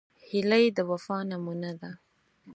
هیلۍ د وفا نمونه ده